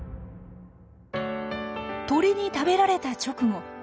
鳥に食べられた直後。